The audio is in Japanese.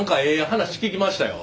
話聞きましたよ。